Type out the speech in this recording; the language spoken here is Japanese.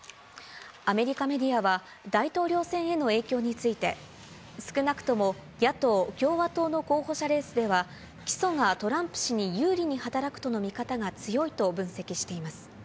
アメリカメディアは、大統領選への影響について、少なくとも野党・共和党の候補者レースでは起訴がトランプ氏に有利に働くとの見方が強いと分析しています。